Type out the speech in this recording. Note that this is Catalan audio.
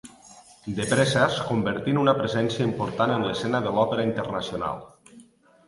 De pressa es convertí en una presència important en l'escena de l'òpera internacional.